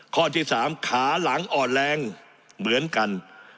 ข้อที่๓ขาหลังอ่อนแรงเหมือนกัน